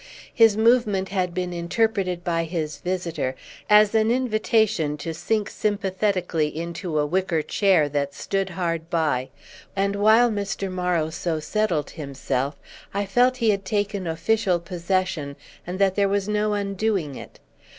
His movement had been interpreted by his visitor as an invitation to sink sympathetically into a wicker chair that stood hard by, and while Mr. Morrow so settled himself I felt he had taken official possession and that there was no undoing it.